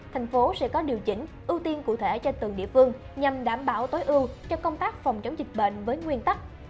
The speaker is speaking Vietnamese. thành phố sẽ có điều chỉnh ưu tiên cụ thể cho từng địa phương nhằm đảm bảo tối ưu cho công tác phòng chống dịch bệnh với nguyên tắc